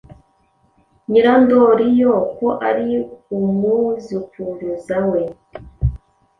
Nyirandoriyo ko ari umwuzukuruza we.